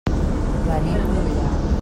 Venim d'Ullà.